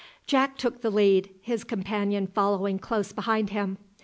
Jack took the lead, his companion following close behind him.